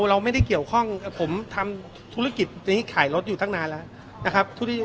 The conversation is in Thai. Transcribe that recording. เราไม่ได้เกี่ยวข้องผมทำธุรกิจนี้ขายรถอยู่ตั้งนานแล้วนะครับ